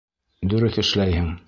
Дөрөҫ эшләйһең.